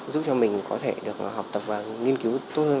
giúp cho mình có thể được học tập và nghiên cứu tốt hơn